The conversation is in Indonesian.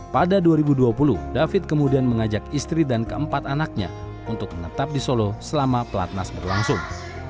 pada dua ribu dua puluh david kemudian mengajak istri dan keempat anaknya untuk menetap di solo selama pelatnas berlangsung